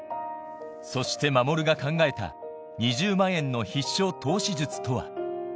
そして守が考えた２０万円の必勝投資術とは？